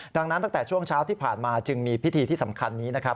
ดังนั้นตั้งแต่ช่วงเช้าที่ผ่านมาจึงมีพิธีที่สำคัญนี้นะครับ